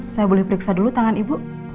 saya boleh periksa dulu tangan ibu